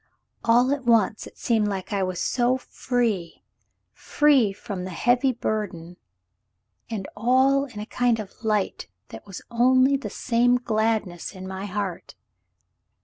All at once it seemed like I was so free — free from the heavy burden — and all in a kind of light that was only the same gladness in my heart.